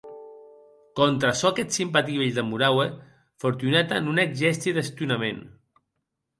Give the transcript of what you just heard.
Contra çò qu’eth simpatic vielh demoraue, Fortunata non hec gèsti d’estonament.